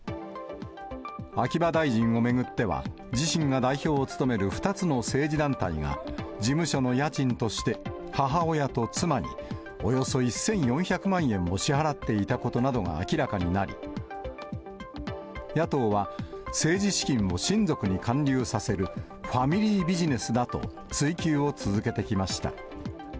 秋葉大臣を巡っては、自身が代表を務める２つの政治団体が、事務所の家賃として、母親と妻におよそ１４００万円を支払っていたことなどが明らかになり、野党は、政治資金も親族に還流させるファミリービジネスだと追及を続けてきました。